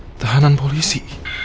gue tahanan polisi